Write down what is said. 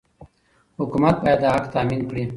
حکومت باید دا حق تامین کړي.